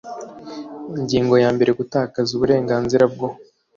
ingingo ya mbere gutakaza uburenganzira bwo